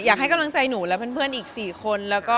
อยากให้กำลังใจหนูและเพื่อนอีก๔คน